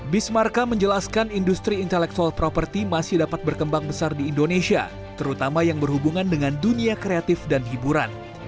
bismarka menjelaskan industri intellectual property masih dapat berkembang besar di indonesia terutama yang berhubungan dengan dunia kreatif dan hiburan